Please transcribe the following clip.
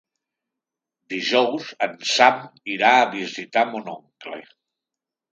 Dijous en Sam irà a visitar mon oncle.